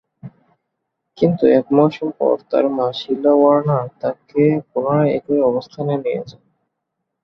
কিন্তু এক মৌসুম পর তার মা শিলা ওয়ার্নার তাকে পুনরায় একই অবস্থানে নিয়ে যান।